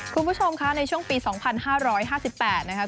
คุณผู้ชมคะในช่วงปี๒๕๕๘นะคะ